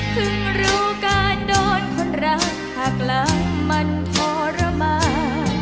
รู้การโดนคนรักหักหลังมันทรมาน